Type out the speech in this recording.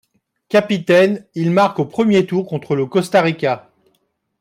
Capitaine, il marque au premier tour contre le Costa Rica.